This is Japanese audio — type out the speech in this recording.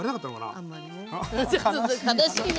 あんまりね。